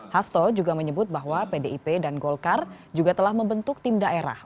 hasto juga menyebut bahwa pdip dan golkar juga telah membentuk tim daerah